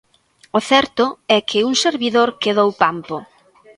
O certo é que un servidor quedou pampo.